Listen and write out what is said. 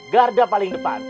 garda paling depan